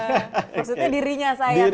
maksudnya dirinya sayang buat dibuang